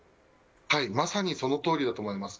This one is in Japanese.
まさにそのとおりだと思います。